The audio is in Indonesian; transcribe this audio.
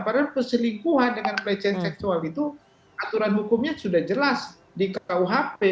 karena perselingkuhan dengan penelitian seksual itu aturan hukumnya sudah jelas di kuhp